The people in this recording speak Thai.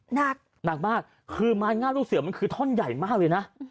หนักหนักมากคือไม้งามลูกเสือมันคือท่อนใหญ่มากเลยนะ